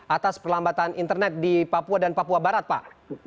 atas perlambatan internet di papua dan papua barat pak